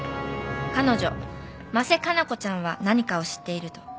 彼女真瀬加奈子ちゃんは何かを知っていると。